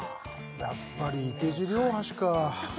やっぱり池尻大橋かぁ